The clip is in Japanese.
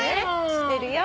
知ってるよ。